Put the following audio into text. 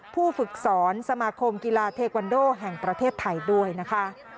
ผู้ฝึกสอนสมาคมกีฬาเทควันโดแห่งประเทศไทยด้วยนะคะ